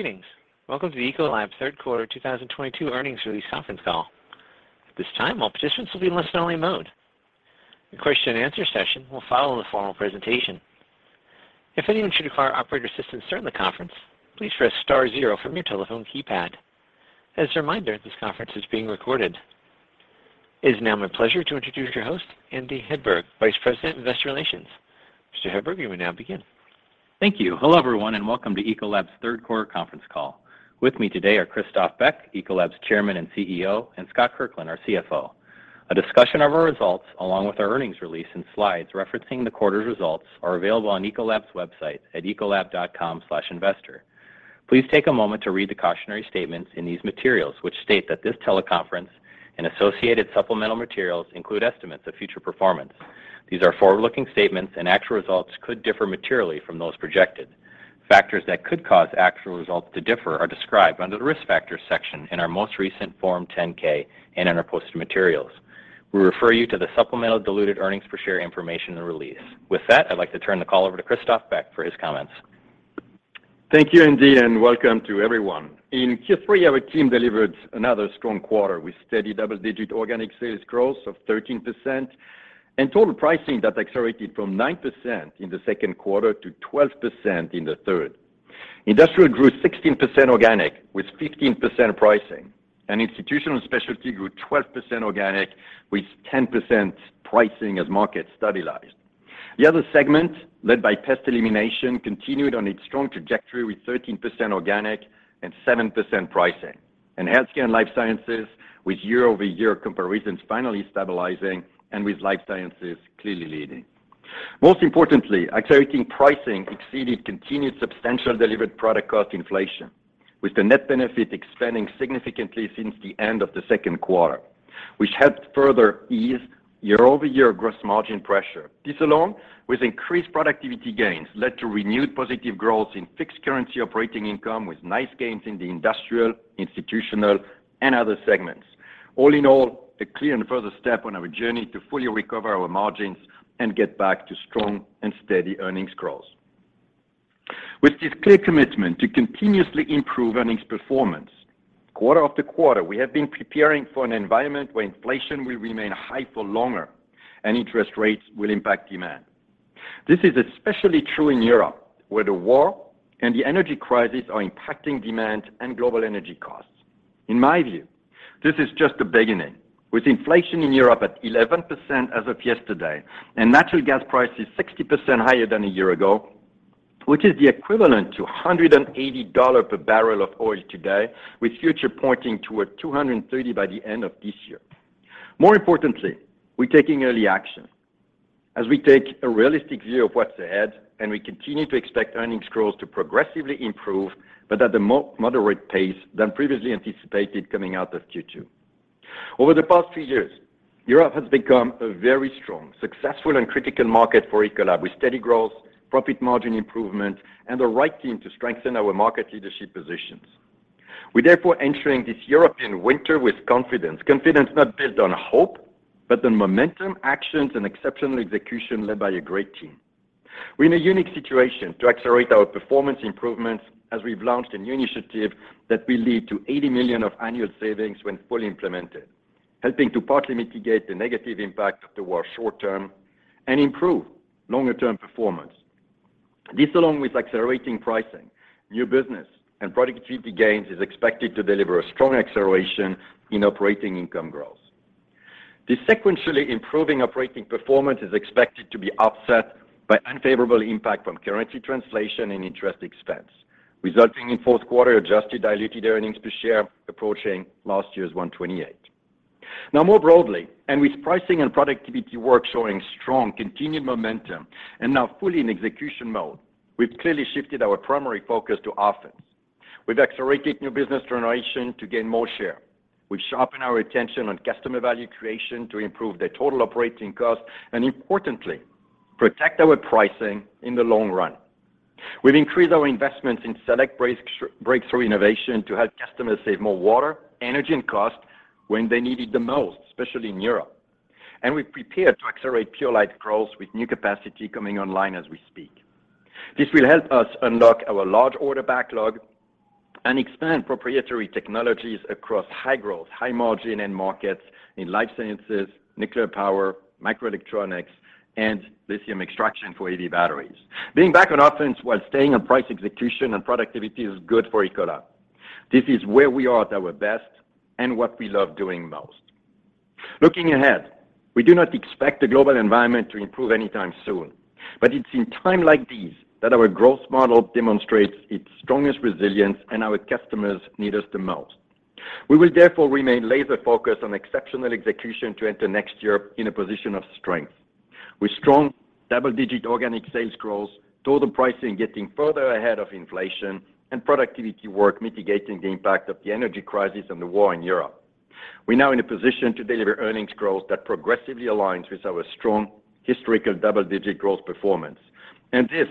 Greetings. Welcome to Ecolab's third quarter 2022 earnings release conference call. At this time, all participants will be in listen-only mode. The question-and-answer session will follow the formal presentation. If anyone should require operator assistance during the conference, please press star zero from your telephone keypad. As a reminder, this conference is being recorded. It is now my pleasure to introduce your host, Andrew Hedberg, Vice President of Investor Relations. Mr. Hedberg, you may now begin. Thank you. Hello, everyone, and welcome to Ecolab's third quarter conference call. With me today are Christophe Beck, Ecolab's Chairman and CEO, and Scott Kirkland, our CFO. A discussion of our results, along with our earnings release and slides referencing the quarter's results, are available on Ecolab's website at ecolab.com/investor. Please take a moment to read the cautionary statements in these materials which state that this teleconference and associated supplemental materials include estimates of future performance. These are forward-looking statements and actual results could differ materially from those projected. Factors that could cause actual results to differ are described under the Risk Factors section in our most recent Form 10-K and in our posted materials. We refer you to the supplemental diluted earnings per share information in the release. With that, I'd like to turn the call over to Christophe Beck for his comments. Thank you, Andy, and welcome to everyone. In Q3, our team delivered another strong quarter with steady double-digit organic sales growth of 13% and total pricing that accelerated from 9% in the second quarter to 12% in the third. Industrial grew 16% organic with 15% pricing, and Institutional & Specialty grew 12% organic with 10% pricing as market stabilized. The Other segment, led by Pest Elimination, continued on its strong trajectory with 13% organic and 7% pricing. In Healthcare and Life Sciences, with year-over-year comparisons finally stabilizing and with Life Sciences clearly leading. Most importantly, accelerating pricing exceeded continued substantial delivered product cost inflation, with the net benefit expanding significantly since the end of the second quarter, which helped further ease year-over-year gross margin pressure. This alone, with increased productivity gains, led to renewed positive growth in fixed currency operating income with nice gains in the industrial, institutional, and other segments. All in all, a clear and further step on our journey to fully recover our margins and get back to strong and steady earnings growth. With this clear commitment to continuously improve earnings performance, quarter-after-quarter, we have been preparing for an environment where inflation will remain high for longer and interest rates will impact demand. This is especially true in Europe, where the war and the energy crisis are impacting demand and global energy costs. In my view, this is just the beginning. With inflation in Europe at 11% as of yesterday and natural gas prices 60% higher than a year ago, which is the equivalent to a $180 per barrel of oil today, with futures pointing toward 230 by the end of this year. More importantly, we're taking early action as we take a realistic view of what's ahead, and we continue to expect earnings growth to progressively improve, but at a moderate pace than previously anticipated coming out of Q2. Over the past few years, Europe has become a very strong, successful, and critical market for Ecolab, with steady growth, profit margin improvement, and the right team to strengthen our market leadership positions. We're therefore entering this European winter with confidence. Confidence not based on hope, but on momentum, actions, and exceptional execution led by a great team. We're in a unique situation to accelerate our performance improvements as we've launched a new initiative that will lead to 80 million of annual savings when fully implemented, helping to partly mitigate the negative impact of the war short term and improve longer term performance. This, along with accelerating pricing, new business, and productivity gains, is expected to deliver a strong acceleration in operating income growth. This sequentially improving operating performance is expected to be offset by unfavorable impact from currency translation and interest expense, resulting in fourth quarter adjusted diluted earnings per share approaching last year's 1.28. Now more broadly, and with pricing and productivity work showing strong continued momentum and now fully in execution mode, we've clearly shifted our primary focus to offense. We've accelerated new business generation to gain more share. We've sharpened our attention on customer value creation to improve their total operating cost and importantly, protect our pricing in the long run. We've increased our investments in select breakthrough innovation to help customers save more water, energy, and cost when they need it the most, especially in Europe. We've prepared to accelerate Purolite growth with new capacity coming online as we speak. This will help us unlock our large order backlog and expand proprietary technologies across high-growth, high-margin end markets in life sciences, nuclear power, microelectronics, and lithium extraction for EV batteries. Being back on offense while staying on price execution and productivity is good for Ecolab. This is where we are at our best and what we love doing most. Looking ahead, we do not expect the global environment to improve anytime soon, but it's in time like these that our growth model demonstrates its strongest resilience and our customers need us the most. We will therefore remain laser focused on exceptional execution to enter next year in a position of strength. With strong double-digit organic sales growth, total pricing getting further ahead of inflation, and productivity work mitigating the impact of the energy crisis and the war in Europe, we're now in a position to deliver earnings growth that progressively aligns with our strong historical double-digit growth performance. This,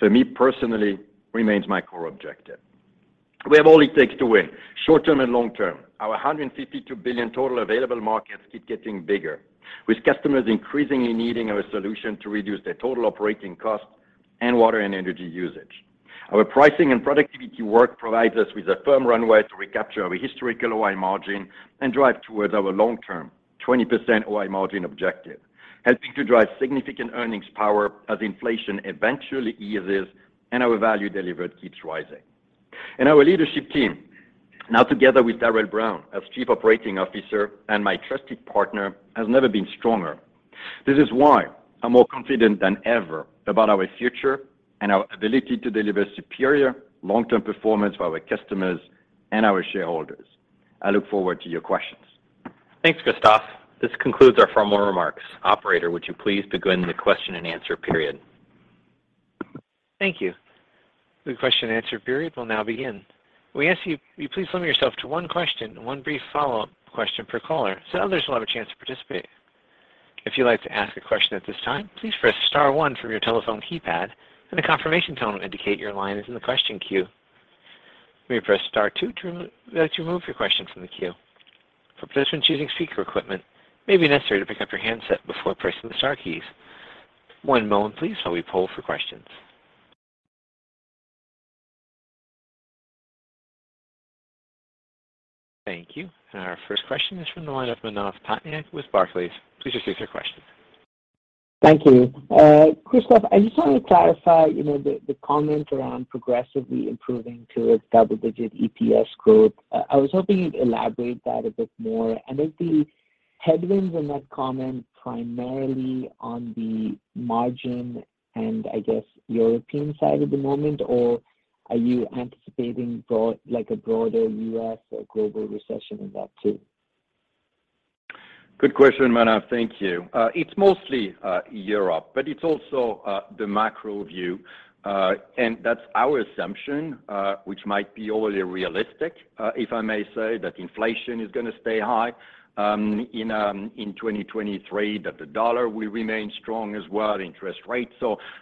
for me personally, remains my core objective. We have all it takes to win short-term and long-term. Our 152 billion total available markets keep getting bigger. With customers increasingly needing a solution to reduce their total operating costs and water and energy usage. Our pricing and productivity work provides us with a firm runway to recapture our historical OI margin and drive towards our long-term 20% OI margin objective, helping to drive significant earnings power as inflation eventually eases and our value delivered keeps rising. Our leadership team, now together with Darrell Brown as Chief Operating Officer and my trusted partner, has never been stronger. This is why I'm more confident than ever about our future and our ability to deliver superior long-term performance for our customers and our shareholders. I look forward to your questions. Thanks, Christophe. This concludes our formal remarks. Operator, would you please begin the question-and-answer period? Thank you. The question-and-answer period will now begin. We ask you please limit yourself to one question and one brief follow-up question per caller, so others will have a chance to participate. If you'd like to ask a question at this time, please press star one from your telephone keypad, and a confirmation tone will indicate your line is in the question queue. You may press star two to remove your question from the queue. For participants using speaker equipment, it may be necessary to pick up your handset before pressing the star keys. One moment please, while we poll for questions. Thank you. Our first question is from the line of Manav Patnaik with Barclays. Please proceed with your question. Thank you. Christophe, I just wanted to clarify, you know, the comment around progressively improving to a double-digit EPS growth. I was hoping you'd elaborate that a bit more. I think the headwinds in that comment primarily on the margin and, I guess, European side at the moment, or are you anticipating broader U.S. or global recession in that too? Good question, Manav. Thank you. It's mostly Europe, but it's also the macro view. That's our assumption, which might be overly realistic, if I may say that inflation is going to stay high in 2023, that the dollar will remain strong as well, interest rates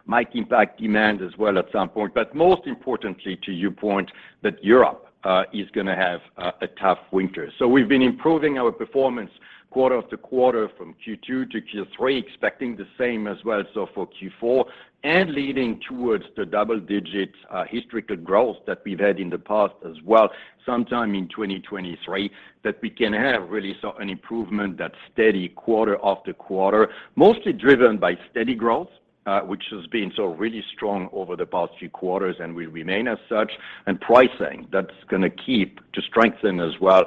might impact demand as well at some point. Most importantly to your point, that Europe is going to have a tough winter. We've been improving our performance quarter-after-quarter from Q2 to Q3, expecting the same as well for Q4, and leading towards the double-digit historical growth that we've had in the past as well, sometime in 2023, that we can have really an improvement that's steady quarter after quarter, mostly driven by steady growth, which has been really strong over the past few quarters and will remain as such. Pricing that's going to continue to strengthen as well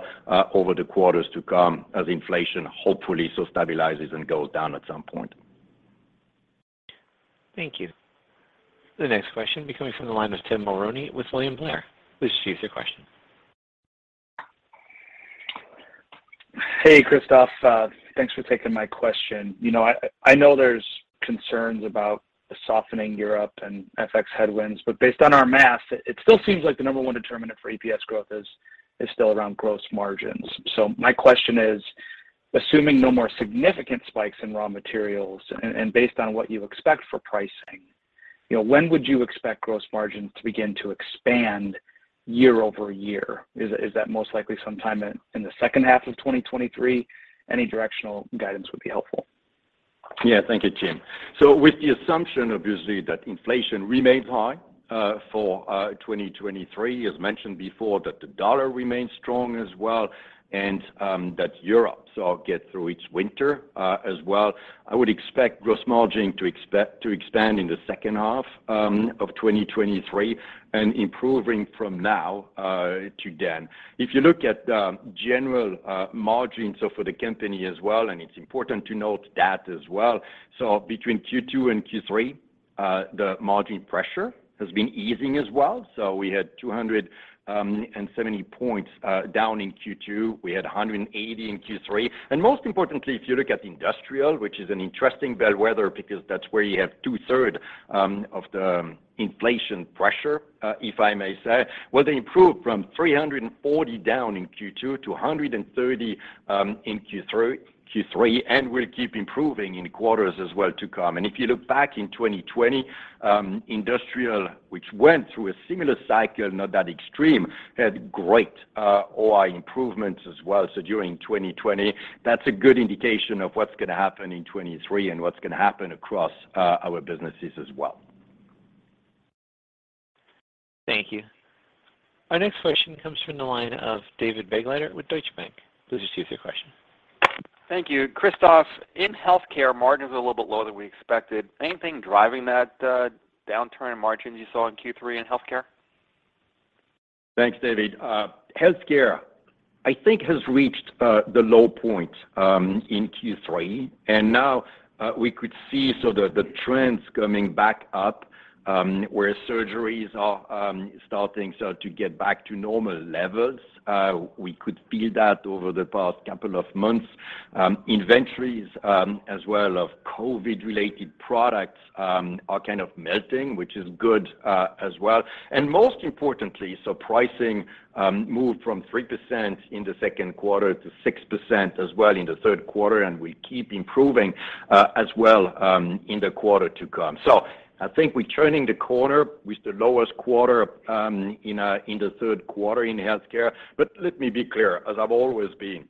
over the quarters to come as inflation, hopefully, stabilizes and goes down at some point. Thank you. The next question will be coming from the line of Tim Mulrooney with William Blair. Please proceed with your question. Hey, Christophe. Thanks for taking my question. You know, I know there's concerns about softening Europe and FX headwinds, but based on our math, it still seems like the number one determinant for EPS growth is still around gross margins. My question is, assuming no more significant spikes in raw materials and based on what you expect for pricing, you know, when would you expect gross margins to begin to expand year-over-year? Is that most likely sometime in the second half of 2023? Any directional guidance would be helpful. Yeah. Thank you, Tim. With the assumption, obviously, that inflation remains high for 2023, as mentioned before, that the dollar remains strong as well, and that Europe gets through its winter as well, I would expect gross margin to expand in the second half of 2023 and improving from now to then. If you look at the general margins for the company as well, and it's important to note that as well. Between Q2 and Q3, the margin pressure has been easing as well. We had 270 points down in Q2. We had 180 in Q3. Most importantly, if you look at industrial, which is an interesting bellwether because that's where you have two-thirds of the inflation pressure, if I may say, well, they improved from 340 down in Q2 to 130 in Q3, and will keep improving in quarters as well to come. If you look back in 2020, industrial, which went through a similar cycle, not that extreme, had great OI improvements as well. During 2020, that's a good indication of what's going to happen in 2023 and what's going to happen across our businesses as well. Thank you. Our next question comes from the line of David Begleiter with Deutsche Bank. Please proceed with your question. Thank you. Christophe, in healthcare, margins are a little bit lower than we expected. Anything driving that, downturn in margins you saw in Q3 in healthcare? Thanks, David. Healthcare, I think, has reached the low point in Q3, and now we could see the trends coming back up, where surgeries are starting to get back to normal levels. We could feel that over the past couple of months. Inventories as well of COVID-related products are kind of melting, which is good, as well. Most importantly, pricing moved from 3% in the second quarter to 6% as well in the third quarter, and will keep improving as well in the quarter to come. I think we're turning the corner with the lowest quarter in the third quarter in healthcare. Let me be clear, as I've always been.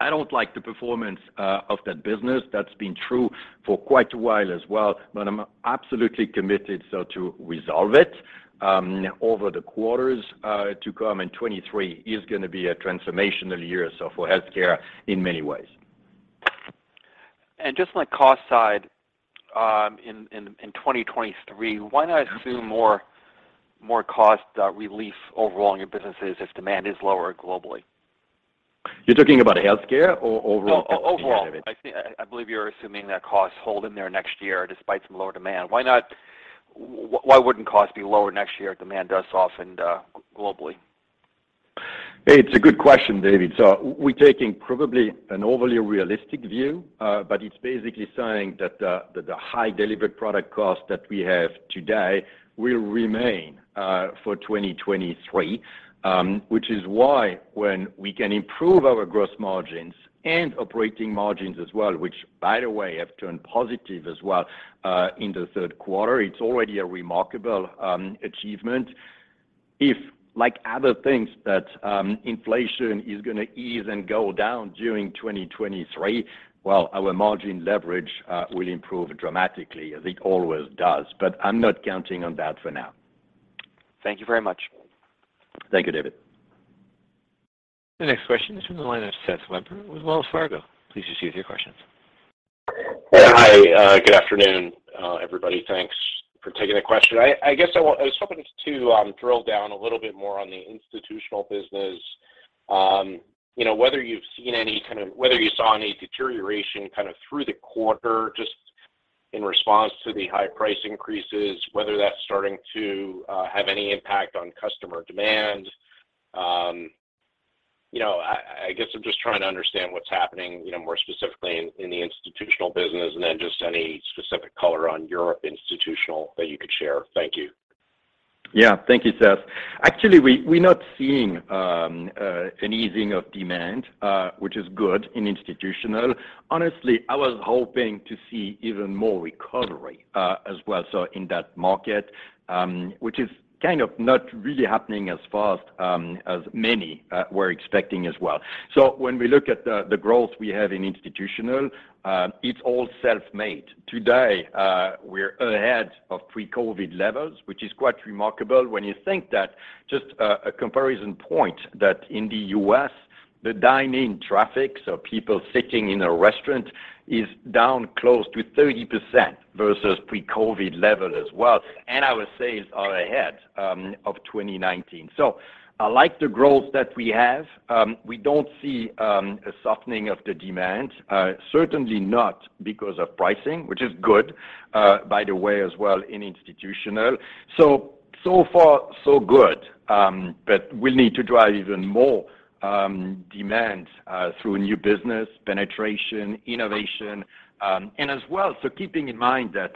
I don't like the performance of that business. That's been true for quite a while as well. I'm absolutely committed so to resolve it, over the quarters, to come. 2023 is going to be a transformational year, so for healthcare in many ways. Just on the cost side, in 2023, why not assume more cost relief overall in your businesses as demand is lower globally? You're talking about healthcare or overall capacity side of it? No, overall. I see, I believe you're assuming that costs hold in there next year despite some lower demand. Why not? Why wouldn't cost be lower next year if demand does soften globally? It's a good question, David. We're taking probably an overly realistic view, but it's basically saying that the high delivered product cost that we have today will remain for 2023, which is why when we can improve our gross margins and operating margins as well, which by the way have turned positive as well, in the third quarter, it's already a remarkable achievement. If like other things that inflation is going to ease and go down during 2023, well, our margin leverage will improve dramatically as it always does. I'm not counting on that for now. Thank you very much. Thank you, David. The next question is from the line of Seth Weber with Wells Fargo. Please proceed with your questions. Hi, good afternoon, everybody. Thanks for taking the question. I guess I was hoping to drill down a little bit more on the institutional business. You know, whether you saw any deterioration kind of through the quarter just in response to the high price increases, whether that's starting to have any impact on customer demand. You know, I guess I'm just trying to understand what's happening, you know, more specifically in the institutional business, and then just any specific color on European institutional that you could share. Thank you. Yeah. Thank you, Seth. Actually, we're not seeing an easing of demand, which is good in institutional. Honestly, I was hoping to see even more recovery as well, so in that market, which is kind of not really happening as fast as many were expecting as well. When we look at the growth we have in institutional, it's all self-made. Today, we're ahead of pre-COVID levels, which is quite remarkable when you think that just a comparison point that in the U.S., the dine-in traffic, so people sitting in a restaurant, is down close to 30% versus pre-COVID level as well, and our sales are ahead of 2019. I like the growth that we have. We don't see a softening of the demand, certainly not because of pricing, which is good by the way as well in Institutional. So far, so good. We'll need to drive even more demand through new business, penetration, innovation, and as well, keeping in mind that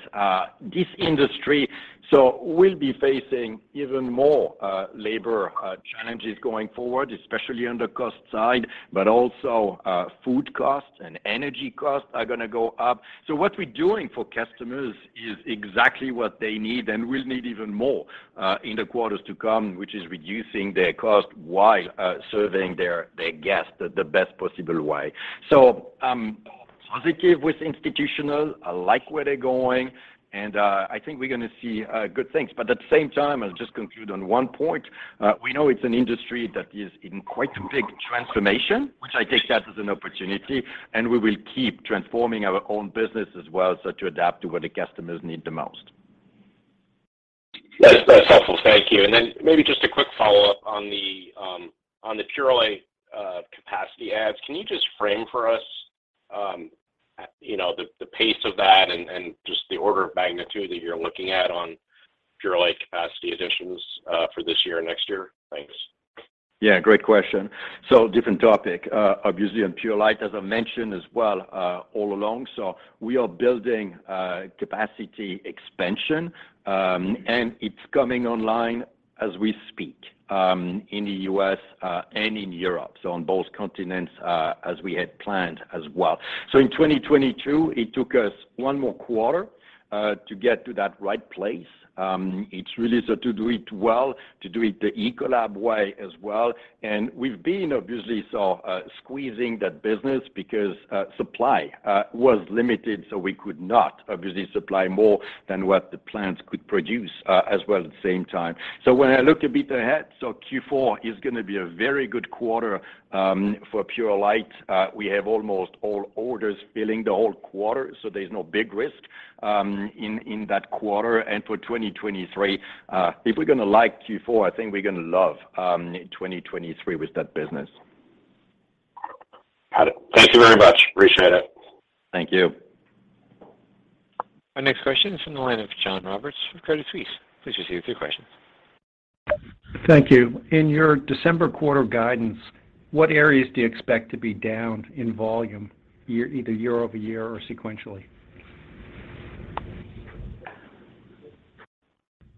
this industry will be facing even more labor challenges going forward, especially on the cost side, but also food costs and energy costs are going to go up. What we're doing for customers is exactly what they need and will need even more in the quarters to come, which is reducing their cost while serving their guests the best possible way. I'm positive with Institutional. I like where they're going, and I think we're going to see good things. At the same time, I'll just conclude on one point. We know it's an industry that is in quite big transformation, which I take that as an opportunity, and we will keep transforming our own business as well so to adapt to what the customers need the most. That's helpful. Thank you. Maybe just a quick follow-up on the Purolite capacity adds. Can you just frame for us the pace of that and just the order of magnitude that you're looking at on Purolite capacity additions for this year and next year? Thanks. Yeah, great question. Different topic. Obviously on Purolite, as I mentioned as well, all along, so we are building capacity expansion, and it's coming online as we speak, in the U.S. and in Europe, so on both continents, as we had planned as well. In 2022, it took us one more quarter to get to that right place. It's really so to do it well, to do it the Ecolab way as well. We've been obviously so squeezing that business because supply was limited, so we could not obviously supply more than what the plants could produce, as well at the same time. When I look a bit ahead, so Q4 is going to be a very good quarter for Purolite. We have almost all orders filling the whole quarter, so there's no big risk in that quarter. For 2023, if we're going to like Q4, I think we're going to love 2023 with that business. Got it. Thank you very much. Appreciate it. Thank you. Our next question is from the line of John Roberts with Credit Suisse. Please proceed with your question. Thank you. In your December quarter guidance, what areas do you expect to be down in volume either year-over-year or sequentially?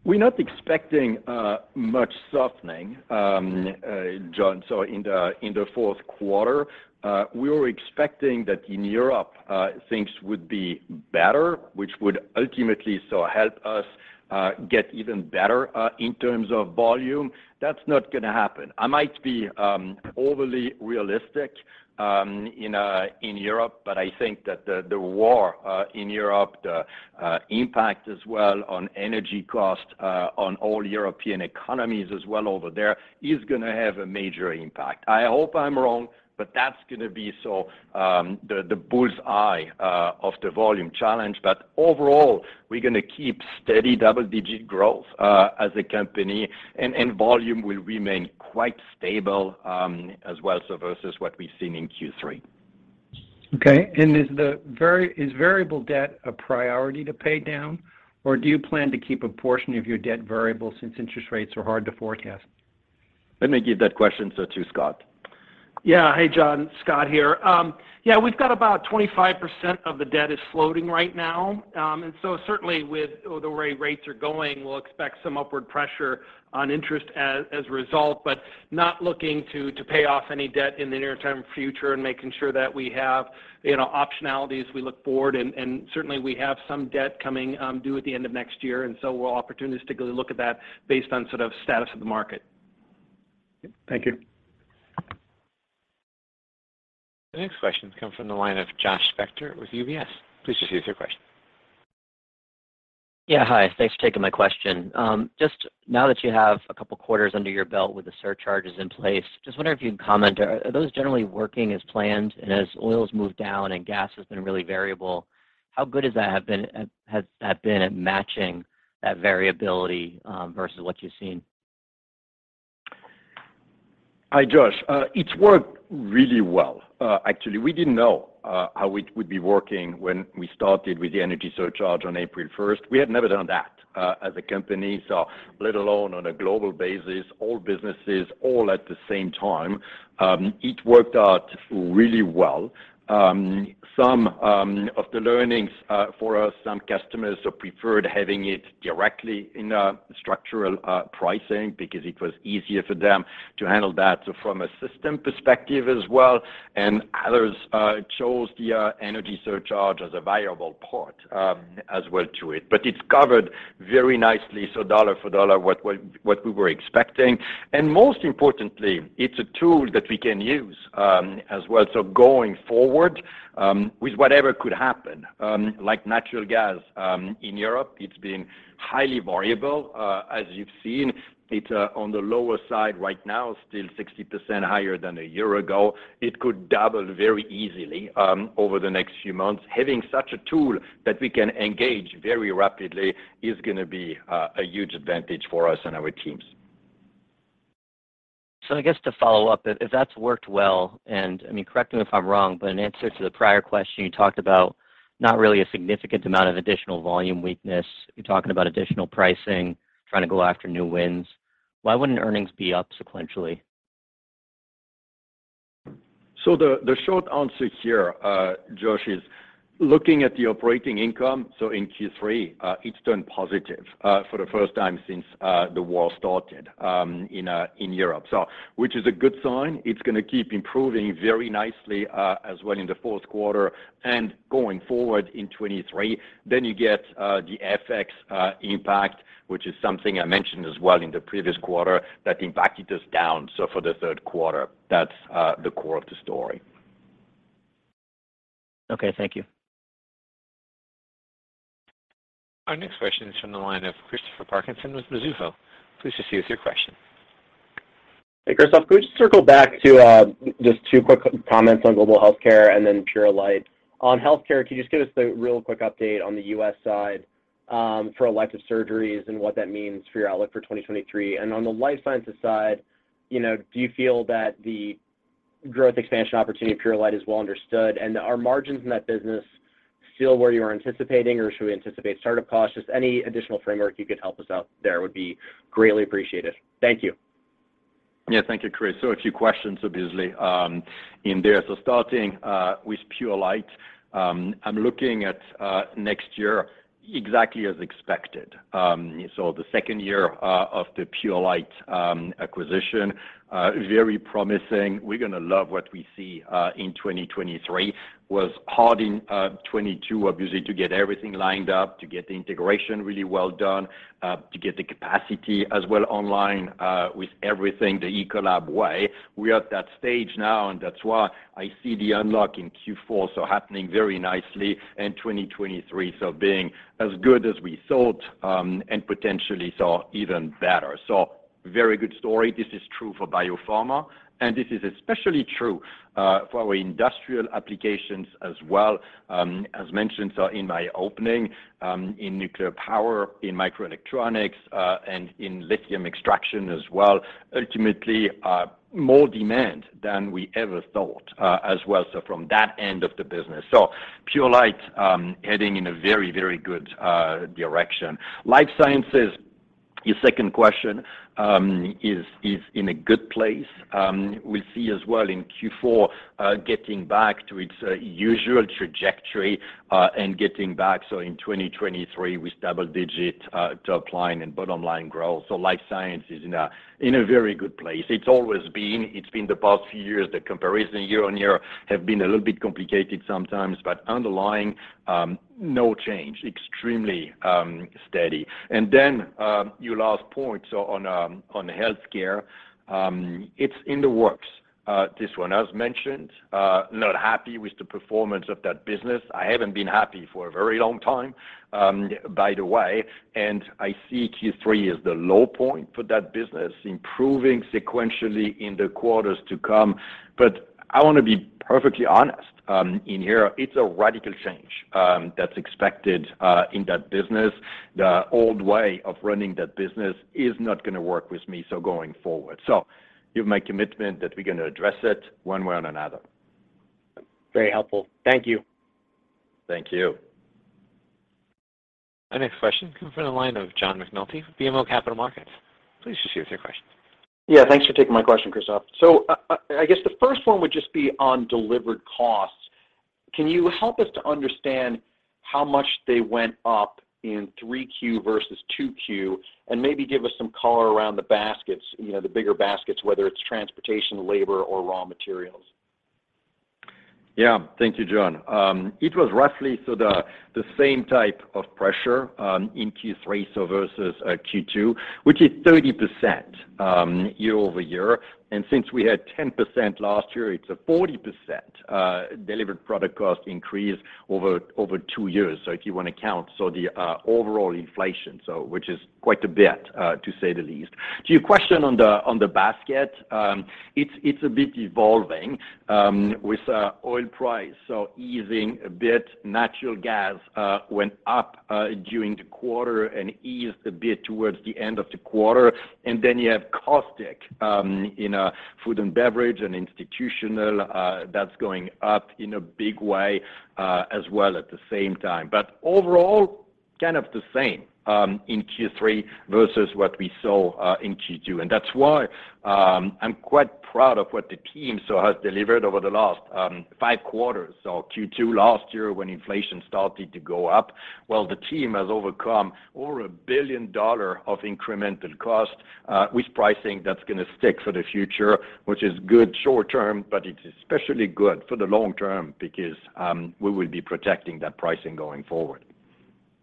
We're not expecting much softening, John, so in the fourth quarter. We were expecting that in Europe things would be better, which would ultimately so help us get even better in terms of volume. That's not going to happen. I might be overly realistic in Europe, but I think that the war in Europe, the impact as well on energy costs on all European economies as well over there is going to have a major impact. I hope I'm wrong, but that's going to be the bull's eye of the volume challenge. Overall, we're going to keep steady double-digit growth as a company, and volume will remain quite stable as well, so versus what we've seen in Q3. Okay. Is variable debt a priority to pay down, or do you plan to keep a portion of your debt variable since interest rates are hard to forecast? Let me give that question over to Scott. Yeah. Hey, John. Scott here. Yeah, we've got about 25% of the debt is floating right now. Certainly with the way rates are going, we'll expect some upward pressure on interest as a result, but not looking to pay off any debt in the near-term future and making sure that we have, you know, optionalities we look forward. Certainly we have some debt coming due at the end of next year, and so we're opportunistically look at that based on sort of status of the market. Thank you. The next question comes from the line of Josh Spector with UBS. Please just use your question. Yeah. Hi. Thanks for taking my question. Just now that you have a couple quarters under your belt with the surcharges in place, just wondering if you can comment, are those generally working as planned? As oil's moved down and gas has been really variable, how good has that been at matching that variability versus what you've seen? Hi, Josh. It's worked really well, actually. We didn't know how it would be working when we started with the energy surcharge on April first. We had never done that as a company, so let alone on a global basis, all businesses, all at the same time. It worked out really well. Some of the learnings for us, some customers have preferred having it directly in a structural pricing because it was easier for them to handle that. From a system perspective as well, and others chose the energy surcharge as a variable part as well to it. But it's covered very nicely, so dollar for dollar what we were expecting. Most importantly, it's a tool that we can use as well. Going forward, with whatever could happen, like natural gas in Europe, it's been highly variable, as you've seen. It's on the lower side right now, still 60% higher than a year ago. It could double very easily over the next few months. Having such a tool that we can engage very rapidly is going to be a huge advantage for us and our teams. I guess to follow up, if that's worked well, and I mean, correct me if I'm wrong, but in answer to the prior question, you talked about not really a significant amount of additional volume weakness. You're talking about additional pricing, trying to go after new wins. Why wouldn't earnings be up sequentially? The short answer here, Josh, is looking at the operating income. In Q3, it's turned positive for the first time since the war started in Europe. Which is a good sign. It's going to keep improving very nicely as well in the fourth quarter and going forward in 2023. You get the FX impact, which is something I mentioned as well in the previous quarter, that impacted us down. For the third quarter, that's the core of the story. Okay. Thank you. Our next question is from the line of Christopher Parkinson with Mizuho. Please just give us your question. Hey, Christophe. Can we just circle back to just two quick comments on global healthcare and then Purolite? On healthcare, can you just give us the real quick update on the U.S. side for elective surgeries and what that means for your outlook for 2023? On the life sciences side, you know, do you feel that the growth expansion opportunity of Purolite is well understood? Are margins in that business still where you are anticipating or should we anticipate startup costs? Just any additional framework you could help us out there would be greatly appreciated. Thank you. Yeah. Thank you, Chris. A few questions obviously in there. Starting with Purolite, I'm looking at next year exactly as expected. The second year of the Purolite acquisition very promising. We're going to love what we see in 2023. Was hard in 2022, obviously, to get everything lined up, to get the integration really well done, to get the capacity as well online, with everything the Ecolab way. We're at that stage now, and that's why I see the unlock in Q4 so happening very nicely in 2023, so being as good as we thought, and potentially so even better. Very good story. This is true for Biopharma, and this is especially true for our industrial applications as well, as mentioned in my opening, in nuclear power, in microelectronics, and in lithium extraction as well. Ultimately, more demand than we ever thought, as well, from that end of the business. Purolite heading in a very good direction. Life sciences. Your second question is in a good place. We see as well in Q4 getting back to its usual trajectory and getting back. In 2023 with double-digit top line and bottom line growth. Life science is in a very good place. It's always been. It's been the past few years, the comparison year-on-year have been a little bit complicated sometimes. Underlying, no change. Extremely steady. your last point. On healthcare, it's in the works, this one. As mentioned, not happy with the performance of that business. I haven't been happy for a very long time, by the way, and I see Q3 as the low point for that business, improving sequentially in the quarters to come. I want to be perfectly honest, in here, it's a radical change, that's expected, in that business. The old way of running that business is not going to work with me, so going forward. You have my commitment that we're going to address it one way or another. Very helpful. Thank you. Thank you. Our next question comes from the line of John McNulty with BMO Capital Markets. Please proceed with your question. Yeah, thanks for taking my question, Christophe. I guess the first one would just be on delivered costs. Can you help us to understand how much they went up in 3Q versus 2Q, and maybe give us some color around the baskets, you know, the bigger baskets, whether it's transportation, labor or raw materials? Yeah. Thank you, John. It was roughly the same type of pressure in Q3 versus Q2, which is 30% year over year. Since we had 10% last year, it's a 40% delivered product cost increase over two years. If you want to count, the overall inflation, which is quite a bit to say the least. To your question on the basket, it's a bit evolving with oil price. Easing a bit, natural gas went up during the quarter and eased a bit towards the end of the quarter. Then you have caustic in food and beverage and institutional, that's going up in a big way as well at the same time. Overall, kind of the same, in Q3 versus what we saw, in Q2. That's why, I'm quite proud of what the team has delivered over the last, five quarters. Q2 last year when inflation started to go up, while the team has overcome over $1 billion of incremental cost, with pricing that's going to stick for the future, which is good short-term, but it's especially good for the long-term because, we will be protecting that pricing going forward.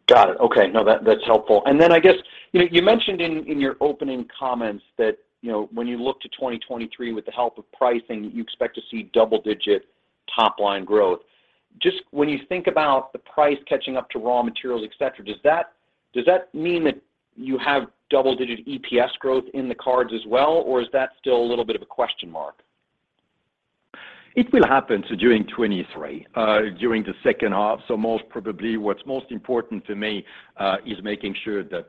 Got it. Okay. No, that's helpful. I guess, you know, you mentioned in your opening comments that, you know, when you look to 2023 with the help of pricing, you expect to see double-digit top-line growth. Just when you think about the price catching up to raw materials, et cetera, does that mean that you have double-digit EPS growth in the cards as well, or is that still a little bit of a question mark? It will happen in 2023, during the second half, so most probably. What's most important to me is making sure that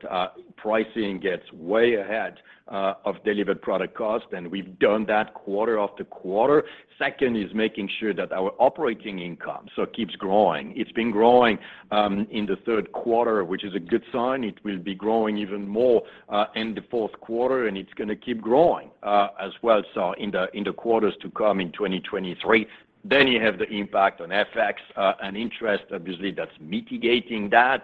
pricing gets way ahead of delivered product cost, and we've done that quarter after quarter. Second is making sure that our operating income keeps growing. It's been growing in the third quarter, which is a good sign. It will be growing even more in the fourth quarter, and it's going to keep growing as well in the quarters to come in 2023. You have the impact on FX and interest. Obviously, that's mitigating that.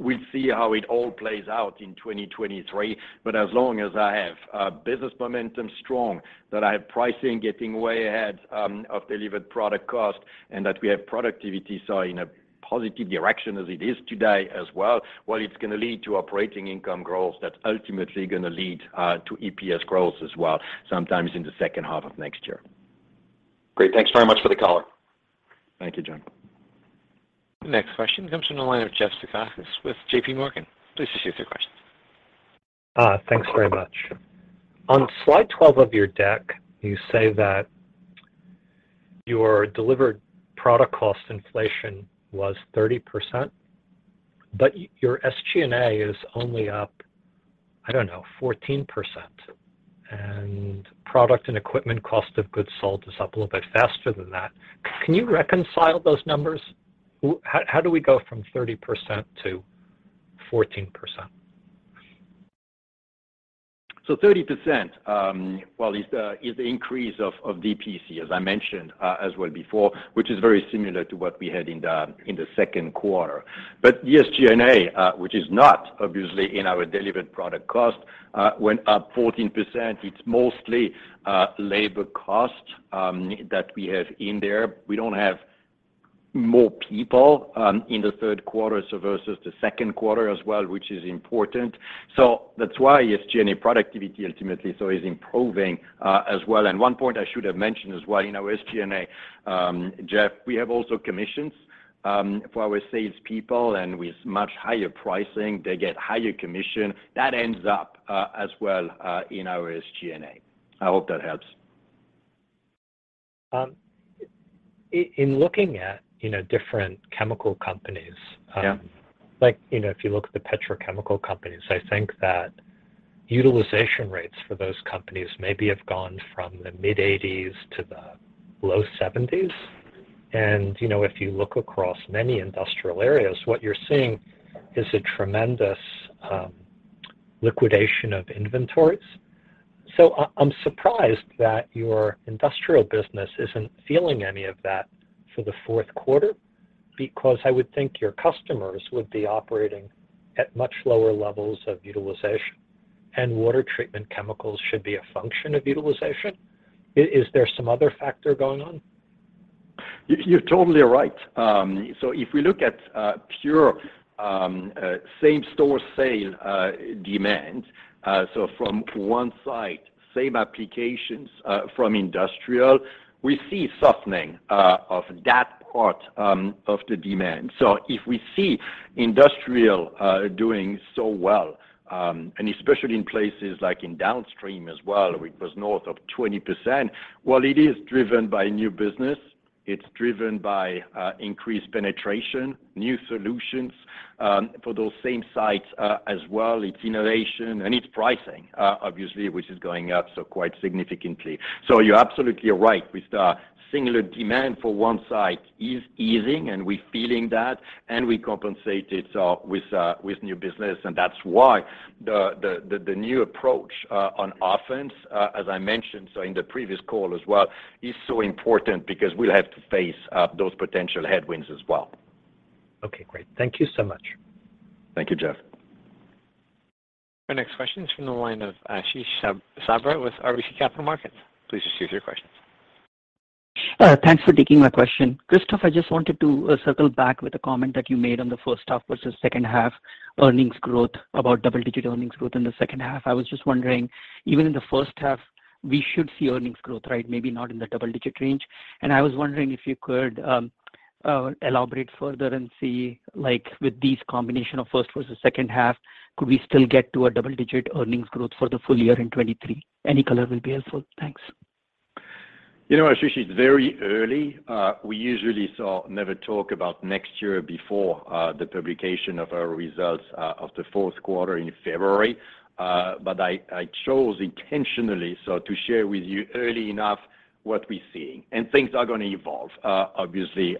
We'll see how it all plays out in 2023. As long as I have business momentum strong, that I have pricing getting way ahead of delivered product cost, and that we have productivity so in a positive direction as it is today as well, well it's going to lead to operating income growth that's ultimately going to lead to EPS growth as well sometimes in the second half of next year. Great. Thanks very much for the color. Thank you, John. The next question comes from the line of Jeff Zekauskas with JPMorgan. Please proceed with your questions. Thanks very much. On slide 12 of your deck, you say that your delivered product cost inflation was 30%, but your SG&A is only up, I don't know, 14%. Product and equipment cost of goods sold is up a little bit faster than that. Can you reconcile those numbers? How do we go from 30%-14%? 30% is the increase of DPC, as I mentioned, as well before, which is very similar to what we had in the second quarter. The SG&A, which is not obviously in our delivered product cost, went up 14%. It's mostly labor cost that we have in there. We don't have more people in the third quarter, so versus the second quarter as well, which is important. That's why SG&A productivity ultimately so is improving, as well. One point I should have mentioned as well, in our SG&A, Jeff, we have also commissions for our salespeople, and with much higher pricing, they get higher commission. That ends up as well in our SG&A. I hope that helps. In looking at, you know, different chemical companies. Yeah. Like, you know, if you look at the petrochemical companies, I think that utilization rates for those companies maybe have gone from the mid-80s to the low 70s. You know, if you look across many industrial areas, what you're seeing is a tremendous liquidation of inventories. I'm surprised that your industrial business isn't feeling any of that for the fourth quarter, because I would think your customers would be operating at much lower levels of utilization, and water treatment chemicals should be a function of utilization. Is there some other factor going on? You're totally right. If we look at pure same-store sales demand, from one site, same applications, from industrial, we see softening of that part of the demand. If we see industrial doing so well, and especially in places like in downstream as well, it was north of 20%, while it is driven by new business, it's driven by increased penetration, new solutions for those same sites as well. It's innovation and it's pricing, obviously, which is going up so quite significantly. You're absolutely right. With the singular demand for one site is easing and we're feeling that, and we compensate it with new business, and that's why the new approach on offense, as I mentioned so in the previous call as well, is so important because we'll have to face those potential headwinds as well. Okay, great. Thank you so much. Thank you, Jeff. Our next question is from the line of Ashish Sabadra with RBC Capital Markets. Please just give your question. Thanks for taking my question. Christophe, I just wanted to circle back with a comment that you made on the first half versus second half earnings growth, about double-digit earnings growth in the second half. I was just wondering, even in the first half, we should see earnings growth, right? Maybe not in the double-digit range. I was wondering if you could elaborate further and see, like with these combination of first versus second half, could we still get to a double-digit earnings growth for the full year in 2023? Any color will be helpful. Thanks. You know what, Ashish, it's very early. We usually never talk about next year before the publication of our results of the fourth quarter in February. I chose intentionally so to share with you early enough what we're seeing. Things are going to evolve, obviously,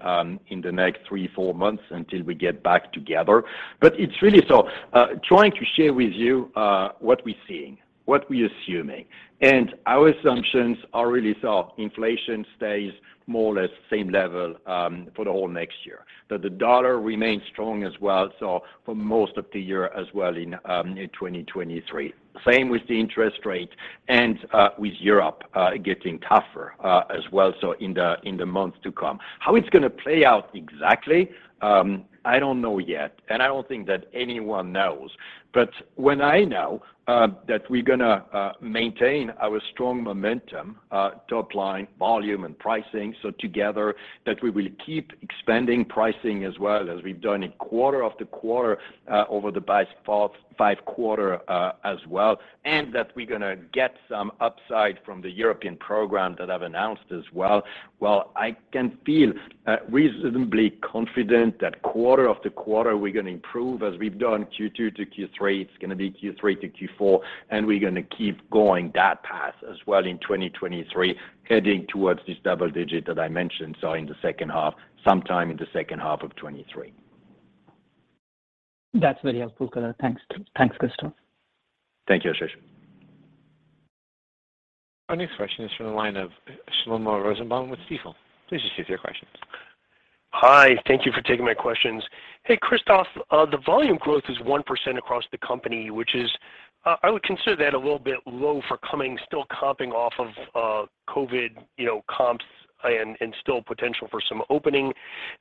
in the next three, four months until we get back together. It's really so trying to share with you what we're seeing, what we're assuming. Our assumptions are really so inflation stays more or less same level for the whole next year. The dollar remains strong as well, so for most of the year as well in 2023. Same with the interest rate and with Europe getting tougher as well, so in the months to come. How it's going to play out exactly, I don't know yet, and I don't think that anyone knows. What I know that we're going to maintain our strong momentum, top line volume and pricing, so together that we will keep expanding pricing as well as we've done in quarter-after-quarter, over the past five quarters, as well. That we're going to get some upside from the European program that I've announced as well. Well, I can feel reasonably confident that quarter after quarter we're going to improve as we've done Q2 to Q3. It's going to be Q3 to Q4, and we're going to keep going that path as well in 2023, heading towards this double digit that I mentioned, so in the second half, sometime in the second half of 2023. That's very helpful color. Thanks, Christophe. Thank you, Ashish. Our next question is from the line of Shlomo Rosenbaum with Stifel. Please just give your questions. Hi. Thank you for taking my questions. Hey, Christophe, the volume growth is 1% across the company, which is, I would consider that a little bit low for coming, still coming off of, COVID, you know, comps and still potential for some opening.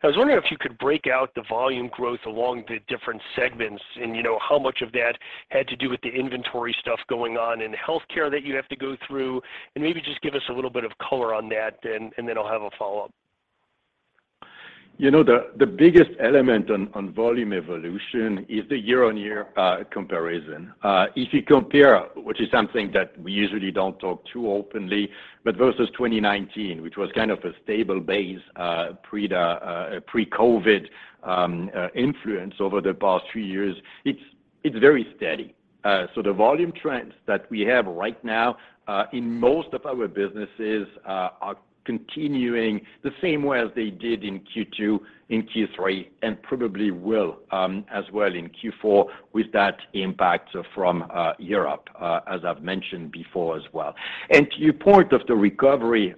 I was wondering if you could break out the volume growth along the different segments and, you know, how much of that had to do with the inventory stuff going on in healthcare that you have to go through. Maybe just give us a little bit of color on that then, and then I'll have a follow-up. You know, the biggest element on volume evolution is the year-on-year comparison. If you compare, which is something that we usually don't talk too openly, but versus 2019, which was kind of a stable base, pre-COVID influence over the past three years, it's very steady. So the volume trends that we have right now in most of our businesses are continuing the same way as they did in Q2, in Q3, and probably will as well in Q4 with that impact from Europe, as I've mentioned before as well. To your point of the recovery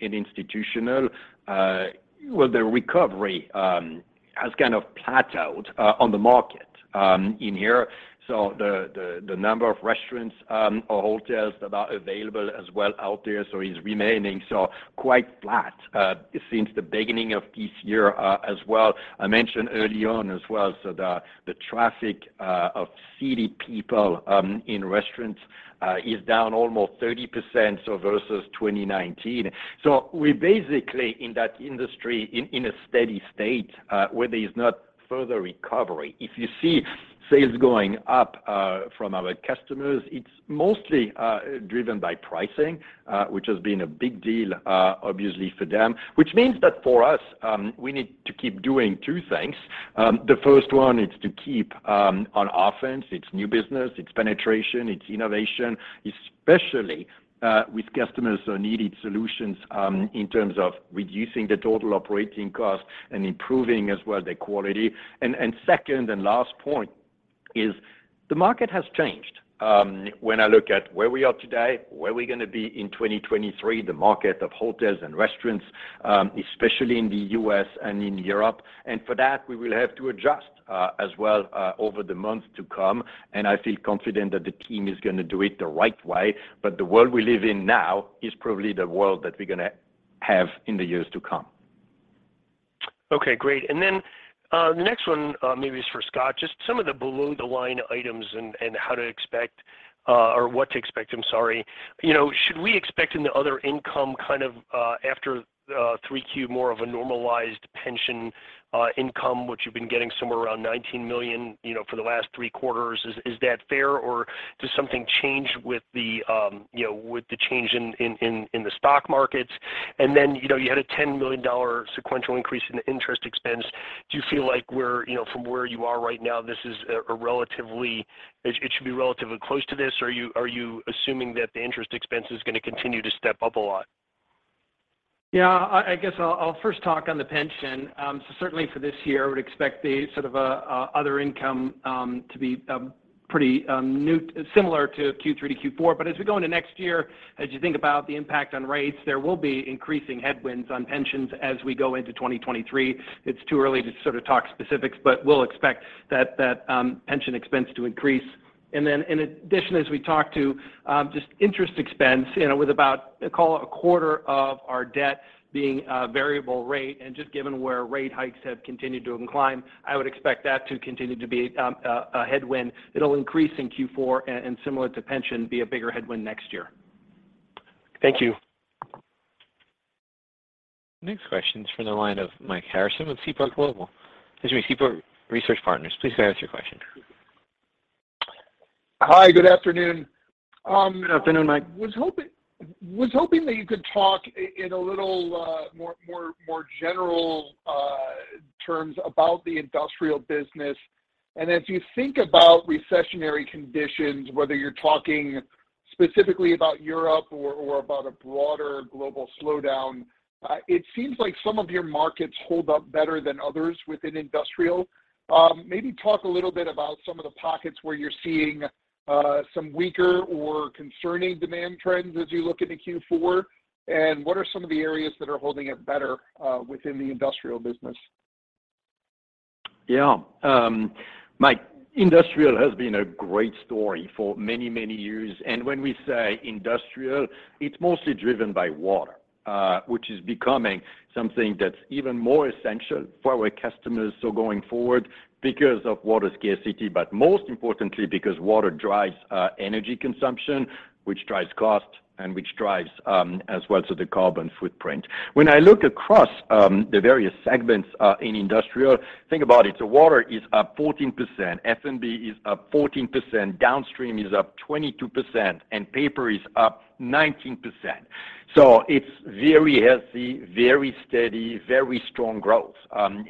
in institutional, well, the recovery has kind of plateaued on the market in here. The number of restaurants or hotels that are available as well out there is remaining so quite flat since the beginning of this year as well. I mentioned early on as well, so the traffic of city people in restaurants is down almost 30% versus 2019. We're basically in that industry in a steady state where there is not further recovery. If you see sales going up from our customers, it's mostly driven by pricing, which has been a big deal obviously for them. Which means that for us, we need to keep doing two things. The first one is to keep on offense. It's new business, it's penetration, it's innovation, especially with customers who needed solutions in terms of reducing the total operating costs and improving as well the quality. Second and last point is the market has changed. When I look at where we are today, where we're going to be in 2023, the market of hotels and restaurants, especially in the U.S. and in Europe. For that, we will have to adjust as well over the months to come, and I feel confident that the team is going to do it the right way. The world we live in now is probably the world that we're going to have in the years to come. Okay, great. The next one maybe is for Scott. Just some of the below the line items and how to expect, or what to expect, I'm sorry. You know, should we expect in the other income kind of after 3Q more of a normalized pension income, which you've been getting somewhere around 19 million, you know, for the last three quarters? Is that fair, or does something change with the, you know, with the change in the stock markets? You know, you had a $10 million sequential increase in the interest expense. Do you feel like we're You know, from where you are right now, it should be relatively close to this, or are you assuming that the interest expense is going to continue to step up a lot? Yeah. I guess I'll first talk on the pension. Certainly for this year, I would expect the sort of other income to be pretty similar to Q3 to Q4. As we go into next year, as you think about the impact on rates, there will be increasing headwinds on pensions as we go into 2023. It's too early to sort of talk specifics, but we'll expect that pension expense to increase. In addition as we talk about just interest expense, you know, with about, call it a quarter of our debt being variable rate, and just given where rate hikes have continued to increase, I would expect that to continue to be a headwind. It'll increase in Q4, and similar to pension, be a bigger headwind next year. Thank you. Next question is from the line of Mike Harrison with Seaport Global. Excuse me, Seaport Research Partners. Please go ahead with your question. Hi, good afternoon. Good afternoon, Mike. Was hoping that you could talk in a little more general terms about the industrial business. As you think about recessionary conditions, whether you're talking specifically about Europe or about a broader global slowdown, it seems like some of your markets hold up better than others within industrial. Maybe talk a little bit about some of the pockets where you're seeing some weaker or concerning demand trends as you look into Q4, and what are some of the areas that are holding up better within the industrial business? Yeah. Mike, industrial has been a great story for many, many years. When we say industrial, it's mostly driven by water, which is becoming something that's even more essential for our customers going forward because of water scarcity, but most importantly because water drives, energy consumption, which drives cost and which drives, as well as the carbon footprint. When I look across, the various segments, in industrial, think about it. Water is up 14%, F&B is up 14%, downstream is up 22%, and paper is up 19%. It's very healthy, very steady, very strong growth,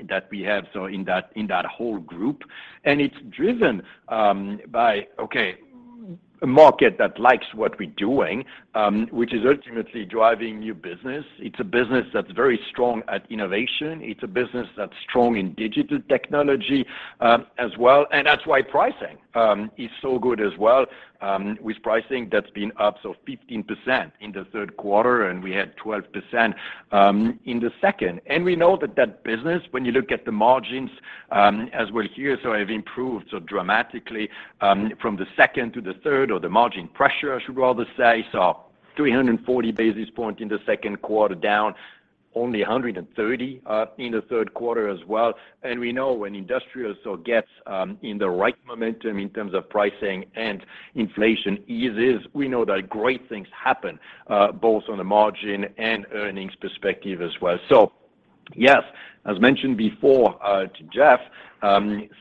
that we have, so in that, in that whole group. It's driven, by, okay, a market that likes what we're doing, which is ultimately driving new business. It's a business that's very strong at innovation. It's a business that's strong in digital technology as well, and that's why pricing is so good as well, with pricing that's been up 15% in the third quarter, and we had 12% in the second. We know that that business, when you look at the margins as well here, have improved so dramatically from the second to the third, or the margin pressure I should rather say. 340 basis points in the second quarter, down only 130 basis points in the third quarter as well. We know when industrial gets in the right momentum in terms of pricing and inflation eases, we know that great things happen both on the margin and earnings perspective as well. Yes, as mentioned before to Jeff,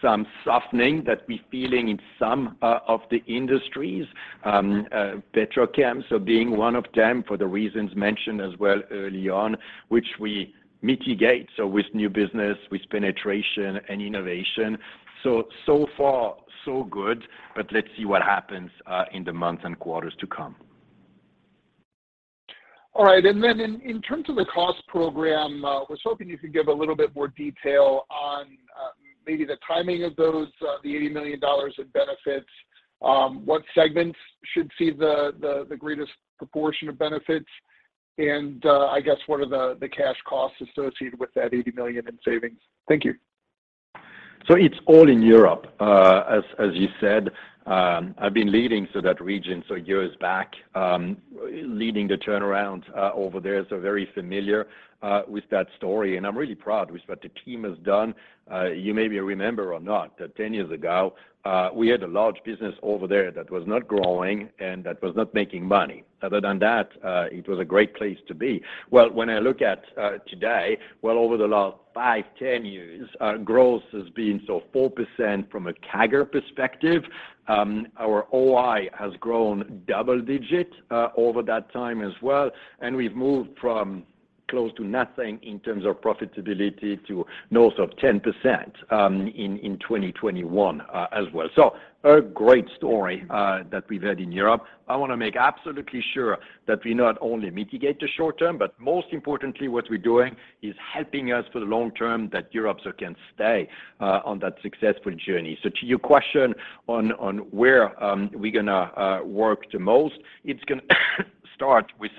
some softening that we're feeling in some of the industries, petrochemicals being one of them for the reasons mentioned as well early on, which we mitigate with new business, with penetration and innovation. So far so good, but let's see what happens in the months and quarters to come. All right. Then in terms of the cost program, was hoping you could give a little bit more detail on, maybe the timing of those, the $80 million in benefits, what segments should see the greatest proportion of benefits, and, I guess what are the cash costs associated with that 80 million in savings? Thank you. It's all in Europe, as you said. I've been leading that region some years back, leading the turnaround over there, so very familiar with that story. I'm really proud with what the team has done. You maybe remember or not that 10 years ago, we had a large business over there that was not growing and that was not making money. Other than that, it was a great place to be. Well, when I look at today, well, over the last five, ten years, growth has been at 4% from a CAGR perspective. Our OI has grown double digit over that time as well, and we've moved from close to nothing in terms of profitability to north of 10% in 2021 as well. A great story that we've had in Europe. I want to make absolutely sure that we not only mitigate the short term, but most importantly, what we're doing is helping us for the long term, that Europe can stay on that successful journey. To your question on where we're going to work the most, it's going to start with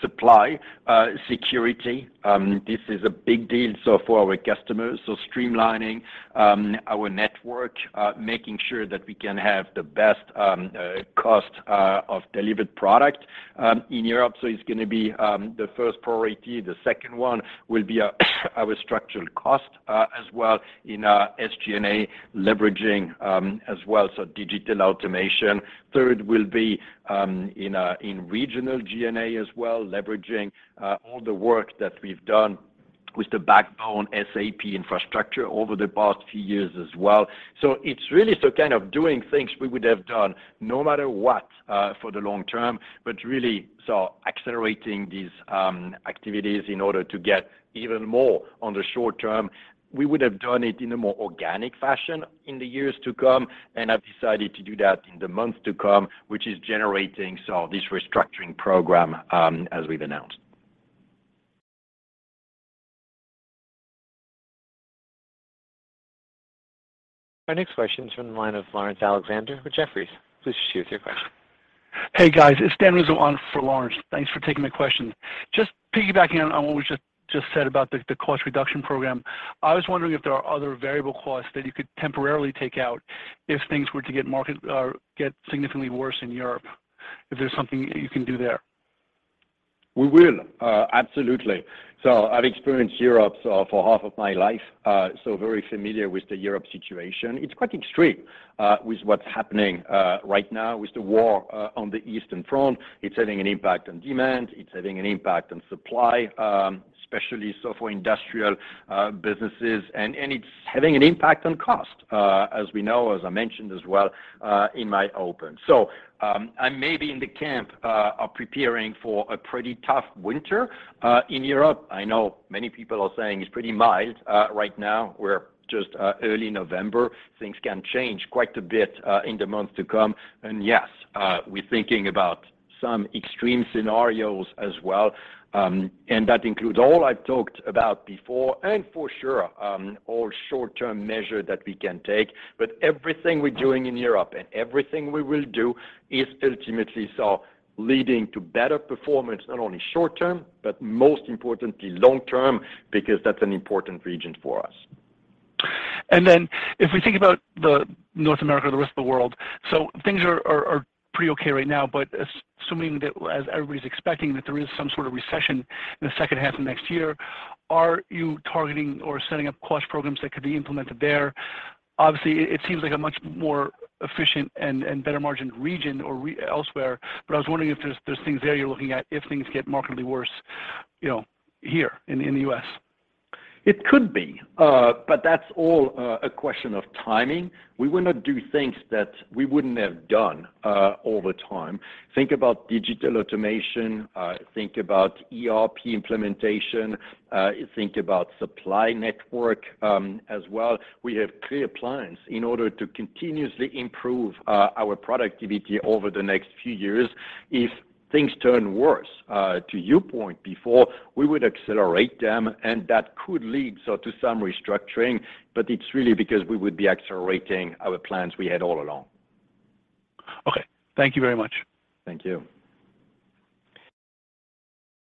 supply security. This is a big deal for our customers. Streamlining our network, making sure that we can have the best cost of delivered product in Europe. It's going to be the first priority. The second one will be our structural cost as well in our SG&A, leveraging as well as our digital automation. Third will be in regional G&A as well, leveraging all the work that we've done with the backbone SAP infrastructure over the past few years as well. It's really so kind of doing things we would have done no matter what for the long term, but really so accelerating these activities in order to get even more on the short term. We would have done it in a more organic fashion in the years to come. I've decided to do that in the months to come, which is generating so this restructuring program as we've announced. Our next question is from the line of Laurence Alexander with Jefferies. Please proceed with your question. Hey, guys, it's Daniel Rizzo for Laurence. Thanks for taking my question. Just piggybacking on what was just said about the cost reduction program. I was wondering if there are other variable costs that you could temporarily take out if things were to get significantly worse in Europe, if there's something you can do there. We will absolutely. I've experienced Europe, so for half of my life, so very familiar with the Europe situation. It's quite extreme with what's happening right now with the war on the eastern front. It's having an impact on demand. It's having an impact on supply, especially so for industrial businesses. It's having an impact on cost, as we know, as I mentioned as well in my open. I may be in the camp of preparing for a pretty tough winter in Europe. I know many people are saying it's pretty mild right now. We're just early November. Things can change quite a bit in the months to come. Yes, we're thinking about some extreme scenarios as well, and that includes all I've talked about before and for sure, all short-term measures that we can take. Everything we're doing in Europe and everything we will do is ultimately so leading to better performance, not only short term, but most importantly long term, because that's an important region for us. If we think about North America, the rest of the world, so things are pretty okay right now. But assuming that as everybody's expecting that there is some sort of recession in the second half of next year, are you targeting or setting up cost programs that could be implemented there? Obviously, it seems like a much more efficient and better margin region or elsewhere. But I was wondering if there's things there you're looking at if things get markedly worse, you know, here in the U.S. It could be, but that's all, a question of timing. We will not do things that we wouldn't have done, over time. Think about digital automation, think about ERP implementation, think about supply network, as well. We have clear plans in order to continuously improve our productivity over the next few years. If things turn worse, to your point before, we would accelerate them and that could lead to some restructuring. It's really because we would be accelerating our plans we had all along. Okay. Thank you very much. Thank you.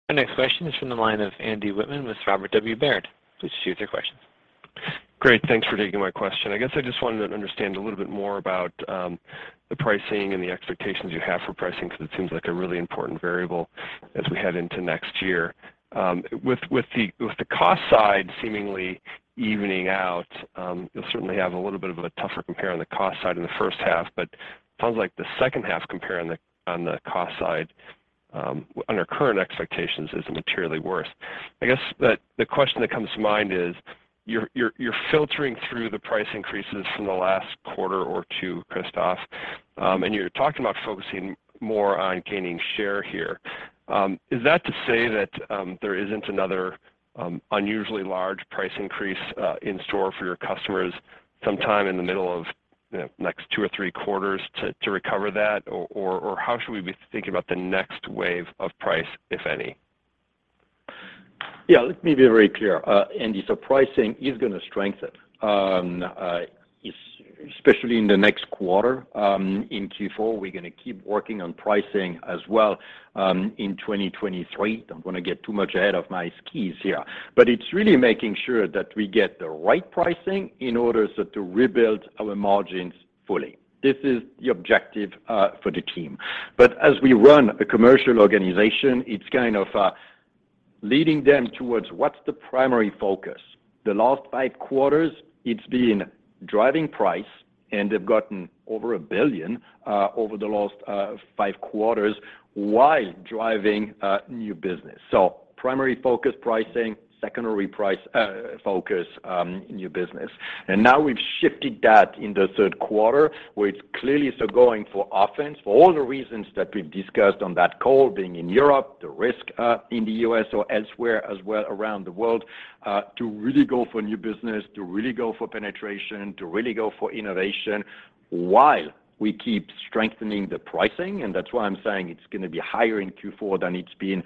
Our next question is from the line of Andy Wittmann with Robert W. Baird. Please proceed with your question. Great. Thanks for taking my question. I guess I just wanted to understand a little bit more about the pricing and the expectations you have for pricing, because it seems like a really important variable as we head into next year. With the cost side seemingly evening out, you'll certainly have a little bit of a tougher compare on the cost side in the first half. Sounds like the second half compare on the cost side under current expectations isn't materially worse. I guess the question that comes to mind is you're filtering through the price increases from the last quarter or two, Christophe, and you're talking about focusing more on gaining share here. Is that to say that there isn't another unusually large price increase in store for your customers sometime in the middle of the next two or three quarters to recover that? Or how should we be thinking about the next wave of price, if any? Yeah. Let me be very clear, Andy. Pricing is going to strengthen, especially in the next quarter. In Q4, we're going to keep working on pricing as well, in 2023. Don't want to get too much ahead of my skis here. It's really making sure that we get the right pricing in order so to rebuild our margins fully. This is the objective, for the team. As we run a commercial organization, it's kind of leading them towards what's the primary focus. The last five quarters, it's been driving price, and they've gotten over $1 billion over the last five quarters while driving new business. Primary focus pricing, secondary price focus, new business. Now we've shifted that in the third quarter, where it's clearly so going for offense for all the reasons that we've discussed on that call, being in Europe, the risk, in the U.S. or elsewhere as well around the world, to really go for new business, to really go for penetration, to really go for innovation while we keep strengthening the pricing. That's why I'm saying it's going to be higher in Q4 than it's been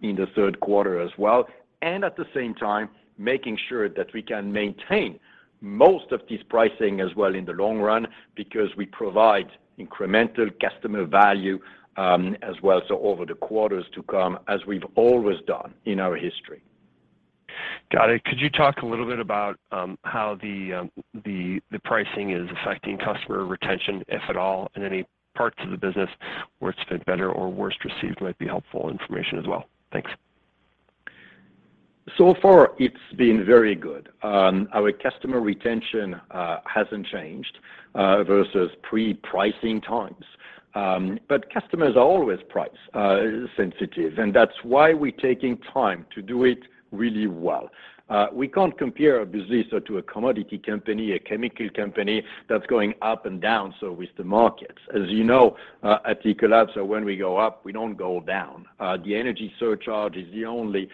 in the third quarter as well. At the same time, making sure that we can maintain most of this pricing as well in the long run because we provide incremental customer value, as well, so over the quarters to come as we've always done in our history. Got it. Could you talk a little bit about how the pricing is affecting customer retention, if at all, in any parts of the business where it's been better or worse received might be helpful information as well? Thanks. So far, it's been very good. Our customer retention hasn't changed versus pre-pricing times. Customers are always price sensitive, and that's why we're taking time to do it really well. We can't compare obviously to a commodity company, a chemical company that's going up and down with the markets. As you know, at Ecolab, when we go up, we don't go down. The energy surcharge is the only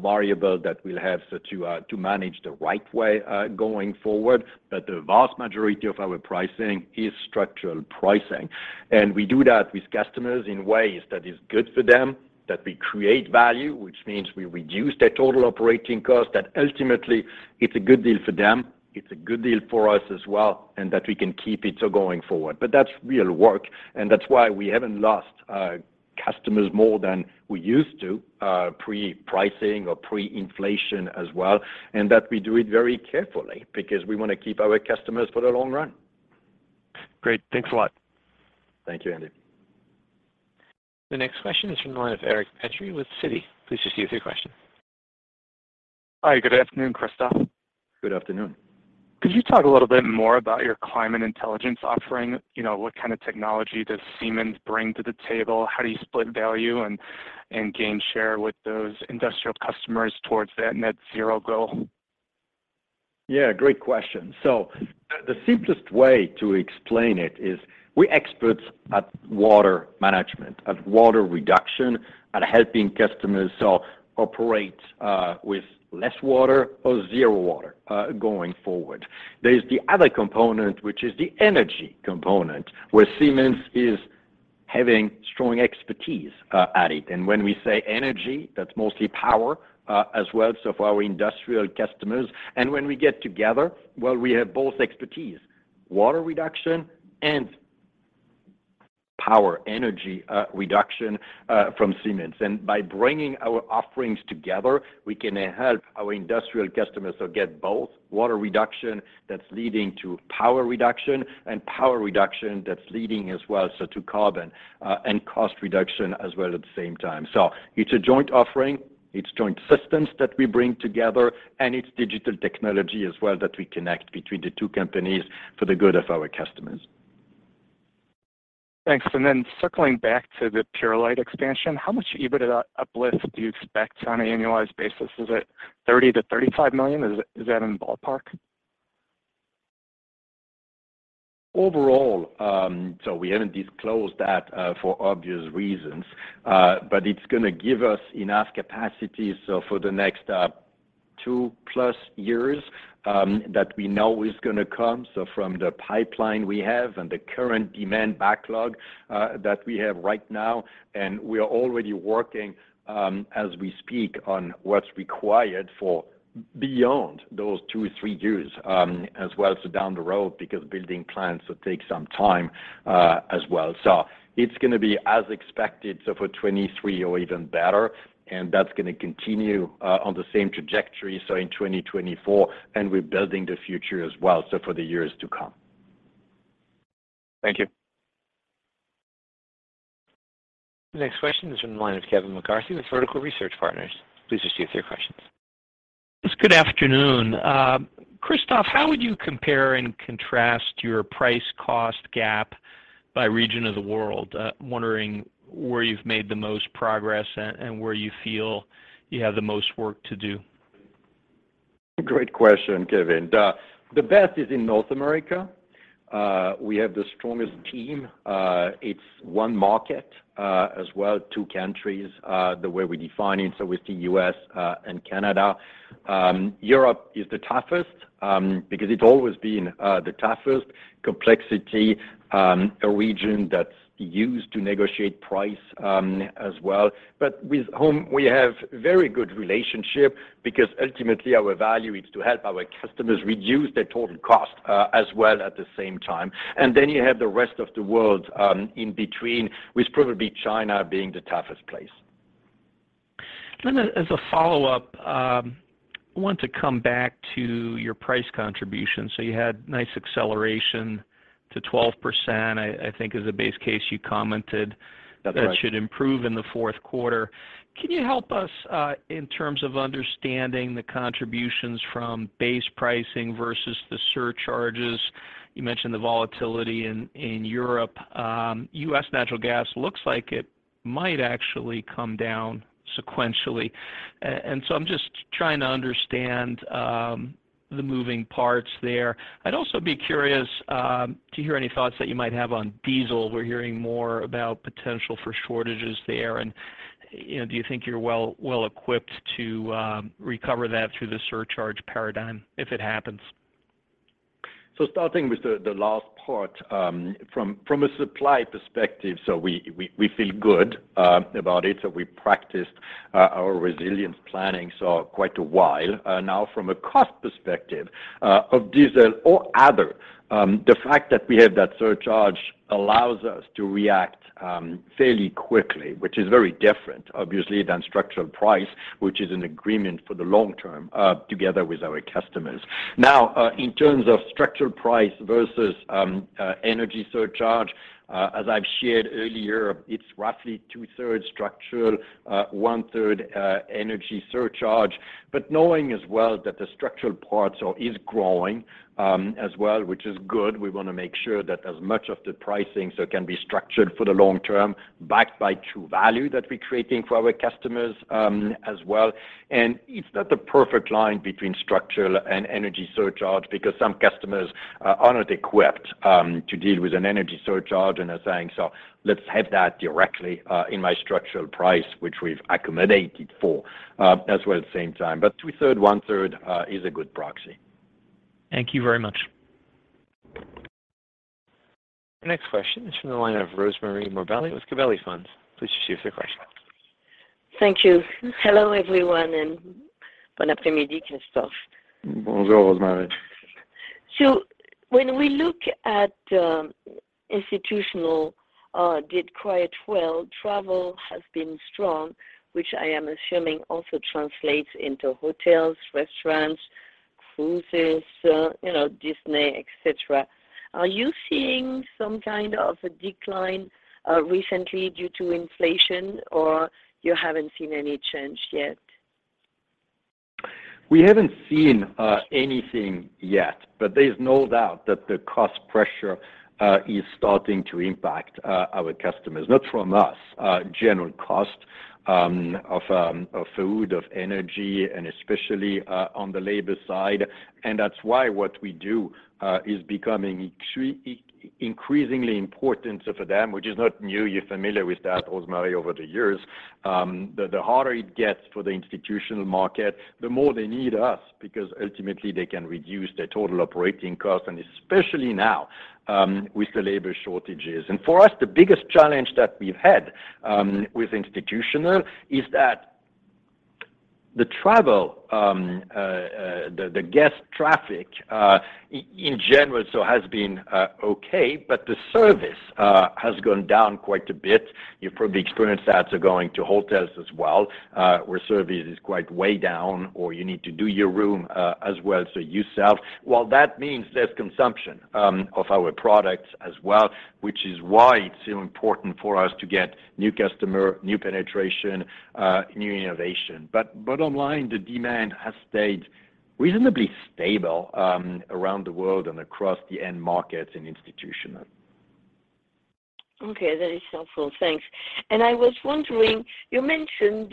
variable that we'll have to manage the right way going forward. The vast majority of our pricing is structural pricing. We do that with customers in ways that is good for them, that we create value, which means we reduce their total operating cost. That ultimately it's a good deal for them, it's a good deal for us as well, and that we can keep it so going forward. But that's real work, and that's why we haven't lost customers more than we used to pre-pricing or pre-inflation as well, and that we do it very carefully because we want to keep our customers for the long run. Great. Thanks a lot. Thank you, Andy. The next question is from the line of Eric Petrie with Citi. Please proceed with your question. Hi. Good afternoon, Christophe. Good afternoon. Could you talk a little bit more about your Climate Intelligence offering? You know, what kind of technology does Siemens bring to the table? How do you split value and gain share with those industrial customers towards that net zero goal? Yeah, great question. The simplest way to explain it is we're experts at water management, at water reduction, at helping customers to operate with less water or zero water going forward. There's the other component, which is the energy component, where Siemens is having strong expertise at it. When we say energy, that's mostly power as well, so for our industrial customers. When we get together, well, we have both expertise, water reduction and power energy reduction from Siemens. By bringing our offerings together, we can help our industrial customers to get both water reduction that's leading to power reduction, and power reduction that's leading as well, so to carbon and cost reduction as well at the same time. It's a joint offering, it's joint systems that we bring together, and it's digital technology as well that we connect between the two companies for the good of our customers. Thanks. Circling back to the Purolite expansion, how much EBITDA uplift do you expect on an annualized basis? Is it 30 million-35 million? Is that in the ballpark? Overall, we haven't disclosed that, for obvious reasons. It's going to give us enough capacity so for the next 2+ years, that we know is going to come, so from the pipeline we have and the current demand backlog, that we have right now. We are already working, as we speak on what's required for beyond those two, three years, as well, so down the road because building plants will take some time, as well. It's going to be as expected, so for 2023 or even better. That's going to continue, on the same trajectory, so in 2024, and we're building the future as well, so for the years to come. Thank you. The next question is from the line of Kevin McCarthy with Vertical Research Partners. Please proceed with your questions. Yes. Good afternoon. Christophe, how would you compare and contrast your price cost gap by region of the world? Wondering where you've made the most progress and where you feel you have the most work to do? Great question, Kevin. The best is in North America. We have the strongest team. It's one market, as well, two countries, the way we define it, so with the U.S., and Canada. Europe is the toughest, because it's always been the toughest complexity, a region that's used to negotiate price, as well. With whom we have very good relationship because ultimately our value is to help our customers reduce their total cost, as well at the same time. You have the rest of the world, in between, with probably China being the toughest place. As a follow-up, I want to come back to your price contribution. You had nice acceleration to 12%, I think as a base case, you commented. That's right. that should improve in the fourth quarter. Can you help us in terms of understanding the contributions from base pricing versus the surcharges? You mentioned the volatility in Europe. US natural gas looks like it might actually come down sequentially. I'm just trying to understand the moving parts there. I'd also be curious to hear any thoughts that you might have on diesel. We're hearing more about potential for shortages there. You know, do you think you're well equipped to recover that through the surcharge paradigm if it happens? Starting with the last part, from a supply perspective, we feel good about it. We practiced our resilience planning for quite a while. Now from a cost perspective, of diesel or other, the fact that we have that surcharge allows us to react fairly quickly, which is very different, obviously, than structural price, which is an agreement for the long term together with our customers. In terms of structural price versus energy surcharge, as I've shared earlier, it's roughly two-thirds structural, one-third energy surcharge. Knowing as well that the structural parts are growing as well, which is good. We want to make sure that as much of the pricing as can be structured for the long term, backed by true value that we're creating for our customers, as well. It's not the perfect line between structural and energy surcharge because some customers aren't equipped to deal with an energy surcharge and are saying, "So let's have that directly in my structural price," which we've accommodated for, as well at the same time. Two-thirds, one-third is a good proxy. Thank you very much. The next question is from the line of Rosemarie Morbelli with Gabelli Funds. Please proceed with your question. Thank you. Hello, everyone, and bon après-midi, Christophe. Bonjour, Rosemarie. When we look at institutional, did quite well, travel has been strong, which I am assuming also translates into hotels, restaurants, cruises, you know, Disney, et cetera. Are you seeing some kind of a decline recently due to inflation, or you haven't seen any change yet? We haven't seen anything yet, but there's no doubt that the cost pressure is starting to impact our customers. Not from us, general cost of food, of energy, and especially on the labor side. That's why what we do is becoming increasingly important for them, which is not new. You're familiar with that, Rosemarie, over the years. The harder it gets for the institutional market, the more they need us because ultimately they can reduce their total operating costs, and especially now with the labor shortages. For us, the biggest challenge that we've had with institutional is that the travel, the guest traffic in general so has been okay, but the service has gone down quite a bit. You've probably experienced that going to hotels as well, where service is quite way down, or you need to do your room, as well as yourself. While that means less consumption, of our products as well, which is why it's so important for us to get new customer, new penetration, new innovation. Online, the demand has stayed reasonably stable, around the world and across the end markets in institutional. Okay. That is helpful. Thanks. I was wondering, you mentioned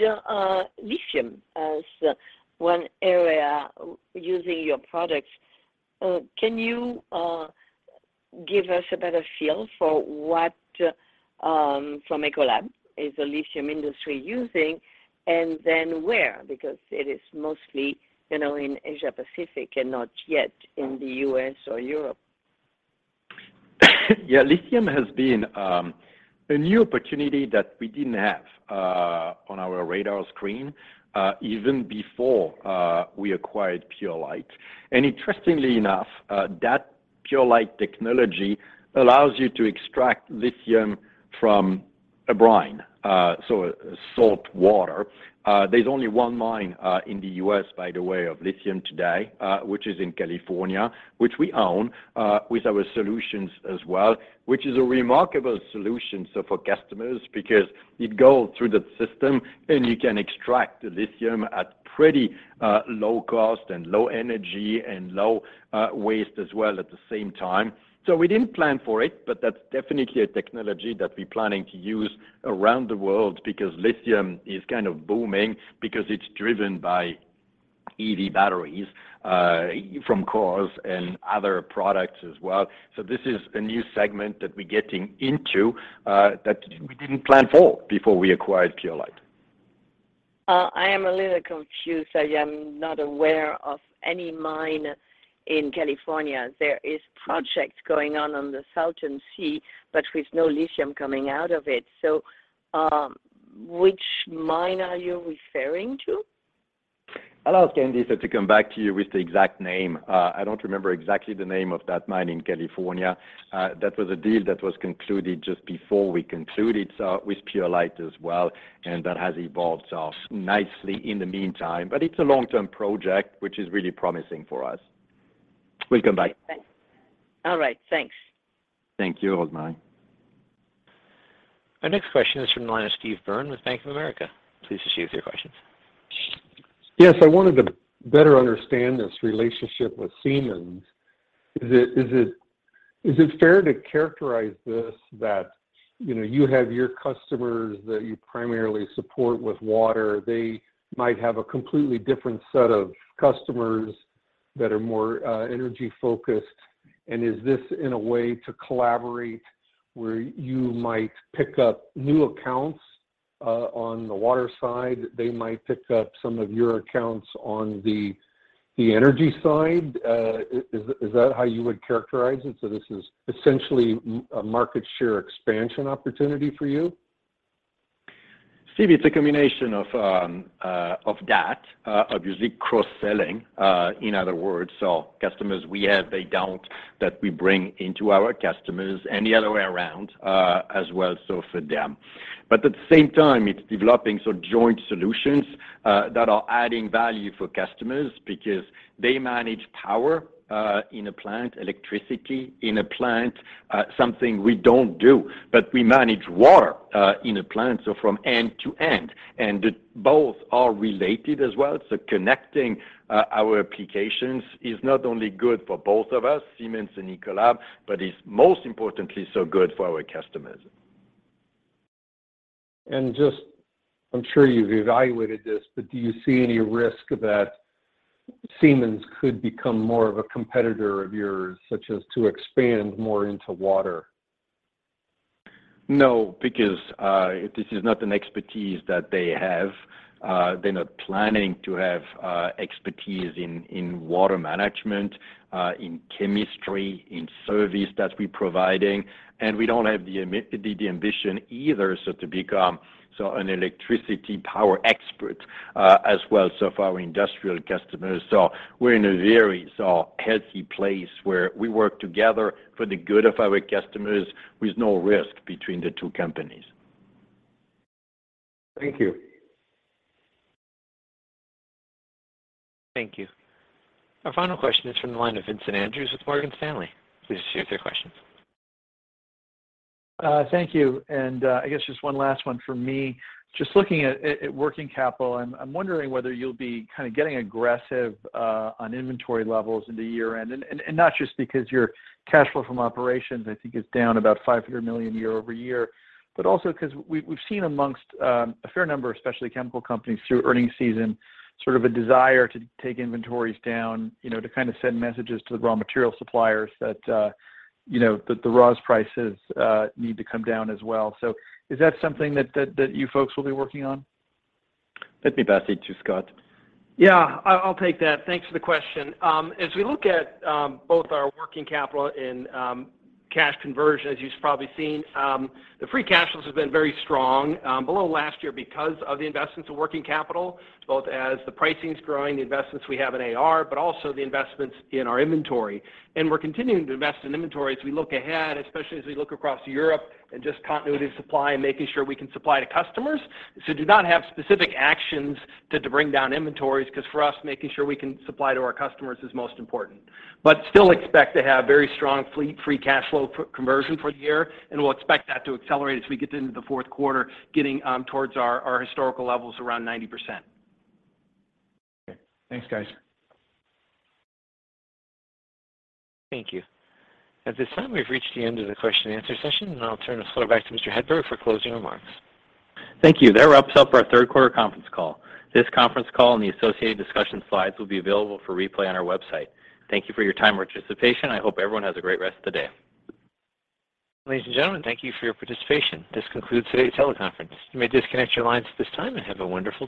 lithium as one area using your products. Can you give us a better feel for what from Ecolab is the lithium industry using and then where? Because it is mostly, you know, in Asia Pacific and not yet in the U.S. or Europe. Yeah. Lithium has been a new opportunity that we didn't have on our radar screen even before we acquired Purolite. Interestingly enough, that Purolite technology allows you to extract lithium from a brine, so salt water. There's only one mine in the U.S., by the way, of lithium today, which is in California, which we own with our solutions as well, which is a remarkable solution, so for customers, because it go through the system and you can extract the lithium at pretty low cost and low energy and low waste as well at the same time. We didn't plan for it, but that's definitely a technology that we're planning to use around the world because lithium is kind of booming because it's driven by EV batteries from cars and other products as well. This is a new segment that we're getting into, that we didn't plan for before we acquired Purolite. I am a little confused. I am not aware of any mine in California. There is projects going on the Salton Sea, but with no lithium coming out of it. Which mine are you referring to? I'll ask Andy, so to come back to you with the exact name. I don't remember exactly the name of that mine in California. That was a deal that was concluded just before we concluded with Purolite as well, and that has evolved so nicely in the meantime. It's a long-term project, which is really promising for us. We'll come back. Thanks. All right, thanks. Thank you, Rosemarie. Our next question is from the line of Steve Byrne with Bank of America. Please proceed with your questions. Yes, I wanted to better understand this relationship with Siemens. Is it fair to characterize this that, you know, you have your customers that you primarily support with water, they might have a completely different set of customers that are more energy-focused? And is this in a way to collaborate where you might pick up new accounts on the water side, they might pick up some of your accounts on the energy side? Is that how you would characterize it? This is essentially a market share expansion opportunity for you? Steve, it's a combination of that obviously cross-selling in other words. Customers we have, they don't, that we bring into our customers and the other way around, as well, so for them. At the same time, it's developing sort of joint solutions that are adding value for customers because they manage power in a plant, electricity in a plant, something we don't do. We manage water in a plant, from end to end, and the both are related as well. Connecting our applications is not only good for both of us, Siemens and Ecolab, but is most importantly so good for our customers. I'm sure you've evaluated this, but do you see any risk that Siemens could become more of a competitor of yours, such as to expand more into water? No, because this is not an expertise that they have. They're not planning to have expertise in water management, in chemistry, in service that we're providing. We don't have the ambition either to become an electricity power expert as well. For our industrial customers. We're in a very healthy place where we work together for the good of our customers with no risk between the two companies. Thank you. Thank you. Our final question is from the line of Vincent Andrews with Morgan Stanley. Please proceed with your questions. Thank you. I guess just one last one from me. Just looking at working capital, I'm wondering whether you'll be kinda getting aggressive on inventory levels into year-end. Not just because your cash flow from operations, I think is down about 500 million year-over-year, but also because we've seen amongst a fair number, especially chemical companies through earnings season, sort of a desire to take inventories down, you know, to kind of send messages to the raw material suppliers that you know, that the raws prices need to come down as well. Is that something that you folks will be working on? Let me pass it to Scott. Yeah, I'll take that. Thanks for the question. As we look at both our working capital and cash conversion, as you've probably seen, the free cash flows have been very strong, below last year because of the investments in working capital, both as the pricing is growing, the investments we have in AR, but also the investments in our inventory. We're continuing to invest in inventory as we look ahead, especially as we look across Europe and just continuity of supply and making sure we can supply to customers. Do not have specific actions to bring down inventories because for us, making sure we can supply to our customers is most important. Still expect to have very strong fleet free cash flow conversion for the year, and we'll expect that to accelerate as we get into the fourth quarter, getting towards our historical levels around 90%. Okay. Thanks, guys. Thank you. At this time, we've reached the end of the question and answer session, and I'll turn this floor back to Mr. Hedberg for closing remarks. Thank you. That wraps up our third quarter conference call. This conference call and the associated discussion slides will be available for replay on our website. Thank you for your time and participation. I hope everyone has a great rest of the day. Ladies and gentlemen, thank you for your participation. This concludes today's teleconference. You may disconnect your lines at this time and have a wonderful day.